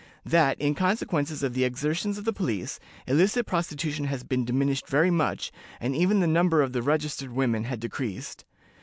That, in consequence of the exertions of the police, illicit prostitution had been diminished very much, and even the number of the registered women had decreased."